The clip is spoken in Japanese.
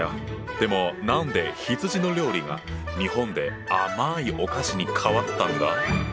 でも何で羊の料理が日本で甘いお菓子に変わったんだ？